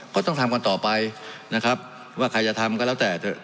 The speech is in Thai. ก็ต้องทำกันต่อไปนะครับว่าใครจะทำก็แล้วแต่เถอะ